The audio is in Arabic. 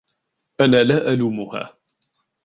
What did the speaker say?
أنا لا ألومها.